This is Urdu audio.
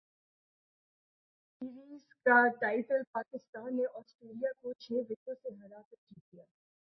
سہ ملکی سیریز کا ٹائٹل پاکستان نے اسٹریلیا کو چھ وکٹوں سے ہرا کرجیت لیا